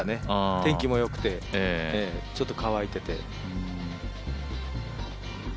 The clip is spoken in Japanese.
天気も良くて、ちょっと乾いてて。